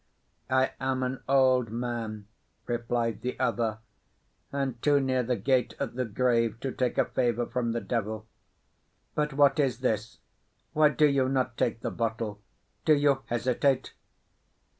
"I am an old man," replied the other, "and too near the gate of the grave to take a favour from the devil. But what is this? Why do you not take the bottle? Do you hesitate?"